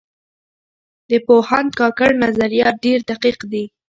د پوهاند کاکړ نظریات ډېر دقیق دي.